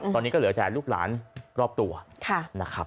ตอนนี้ก็เหลือแต่ลูกหลานรอบตัวนะครับ